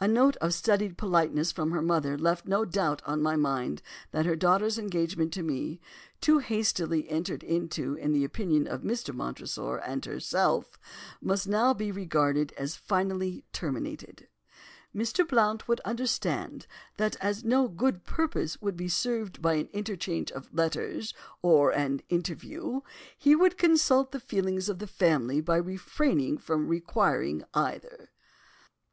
A note of studied politeness from her mother left no doubt on my mind that her daughter's engagement to me, too hastily entered into in the opinion of Mr. Montresor and herself, must now be regarded as finally terminated. 'Mr. Blount would understand that, as no good purpose would be served by an interchange of letters or an interview, he would consult the feelings of the family by refraining from requiring either.